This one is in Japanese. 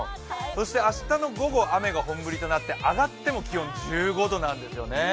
２そして明日の午後、雨が本降りとなって上がっても気温、１５度なんですよね